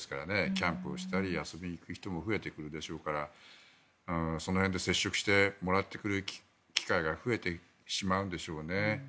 キャンプをしたり遊びに行く人も増えてくるでしょうからその辺で接触してもらってくる機会が増えてしまうんでしょうね。